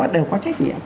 đều có trách nhiệm